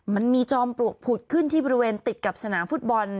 มันมีจอมปลวกผุดขึ้นที่บริเวณติดกับสนามฟุตบอล